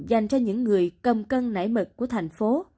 dành cho những người cầm cân nảy mực của thành phố